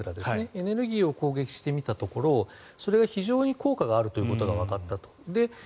エネルギーを攻撃してみたところそれが非常に効果があるということがわかったと。